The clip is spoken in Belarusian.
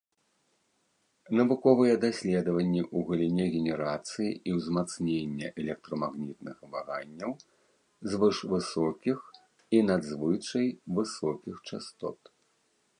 Навуковыя даследаванні ў галіне генерацыі і ўзмацнення электрамагнітных ваганняў звышвысокіх і надзвычай высокіх частот.